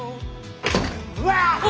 うわ！